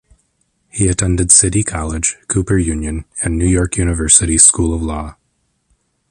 He attended City College, Cooper Union, and New York University School of Law.